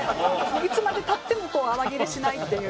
いつまで経っても泡切れしないっていう。